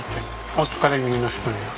お疲れ気味の人には。